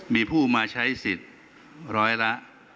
มีผู้มาใช้สิทธิ์ร้อยละ